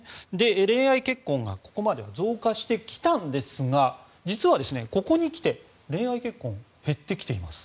恋愛結婚がここまで増加してきたんですが実はここに来て恋愛結婚減ってきています。